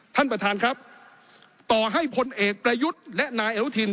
ท่านประธานครับต่อให้พลเอกประยุทธ์และนายอนุทิน